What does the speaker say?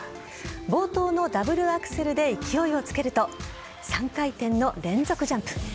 冒頭のダブルアクセルで勢いをつけると３回転の連続ジャンプ。